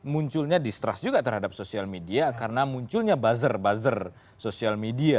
munculnya distrust juga terhadap sosial media karena munculnya buzzer buzzer sosial media